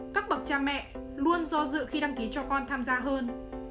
các bậc cha mẹ luôn do dự khi đăng ký cho con tham gia hơn